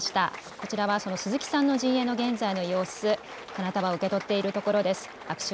こちらはその鈴木さんの陣営の現在の様子、花束を受け取っているところです。